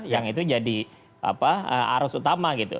yang itu jadi arus utama gitu